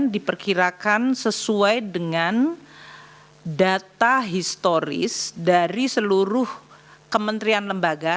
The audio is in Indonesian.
diperkirakan sesuai dengan data historis dari seluruh kementerian lembaga